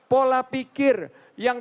pola pikir yang